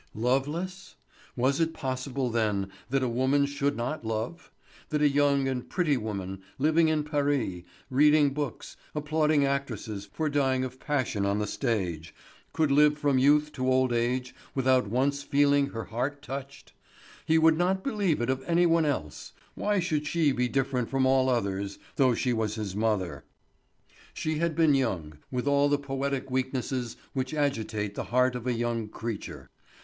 Loveless?—was it possible then that a woman should not love? That a young and pretty woman, living in Paris, reading books, applauding actresses for dying of passion on the stage, could live from youth to old age without once feeling her heart touched? He would not believe it of any one else; why should she be different from all others, though she was his mother? She had been young, with all the poetic weaknesses which agitate the heart of a young creature.